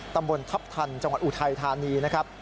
ตำบลทัพทันจังหวัดอุทัยธานีนะครับ